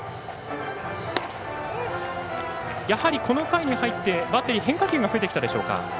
この回に入ってバッテリーは変化球が増えてきたでしょうか。